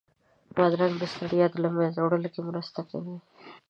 بادرنګ د ستړیا له منځه وړو کې مرسته کوي.